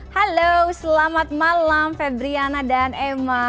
halo selamat malam febriana dan emma